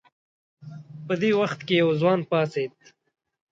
په دې وخت کې یو ځوان پاڅېد.